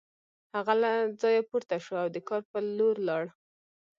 هغه له ځایه پورته شو او د کار په لور لاړ